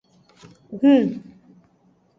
Hun.